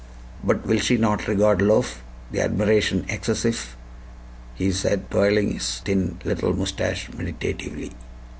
"But will she not regard lofe the admiration excessif?" he said, twirling his thin little mustache meditatively.